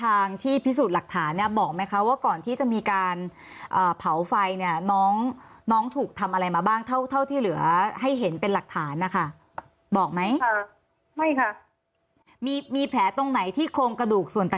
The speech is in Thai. มก็คือผู้แต่แล้วก็ไม่ได้สนเจอฟังนะคะเพราะว่าสมัครผิดเสียใจเรื่องหลานอยู่